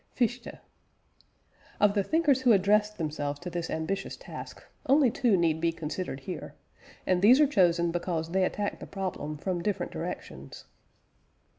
FICHTE. Of the thinkers who addressed themselves to this ambitious task, only two need be considered here; and these are chosen because they attacked the problem from different directions.